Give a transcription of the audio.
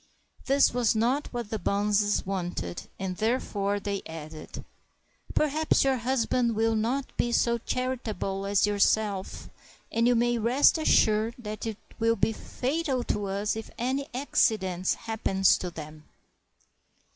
This was not what the bonzes wanted, and therefore they added, — "Perhaps your husband will not be so charitable as yourself, and you may rest assured that it will be fatal to us if any accident happens to them."